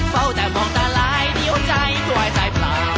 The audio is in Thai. เป้อยนแตะมองตาลายดีวะใจถอดใจเปลหรอ